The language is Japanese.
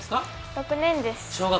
６年です。